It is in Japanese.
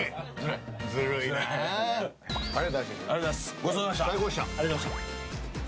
ごちそうさまでした。